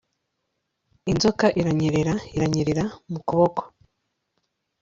inzoka iranyerera iranyerera mu kuboko